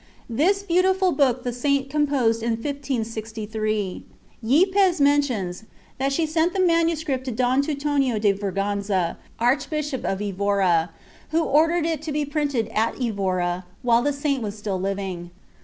"* This beautiful book the Saint composed in 1563. Yepez mentions, that she sent the manu script to Don Teutonio de Verganza, Archbishop of Evora, who ordered it to be printed at Evora, while the Saint was still living.